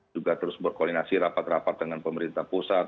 juga terus berkoordinasi rapat rapat dengan pemerintah pusat